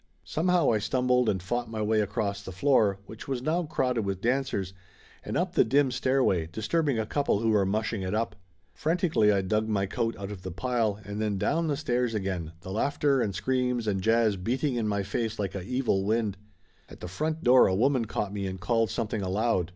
Somehow I stumbled and fought my way across the floor, which was now crowded with dancers, and up the dim stairway, disturbing a couple who were mushing it up. Frantically I dug my coat out of the pile and then down the stairs again, the laughter and screams and jazz beating in my face like a evil wind. At the front door a woman caught me and called something aloud.